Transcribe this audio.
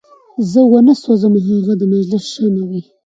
زه وانه سوځم او هغه د مجلس شمع وي.